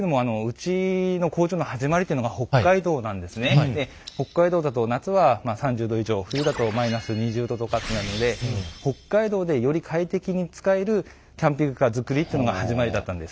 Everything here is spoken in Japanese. というのも北海道だと夏は３０℃以上冬だと−２０℃とかってなるので北海道でより快適に使えるキャンピングカー作りっていうのが始まりだったんです。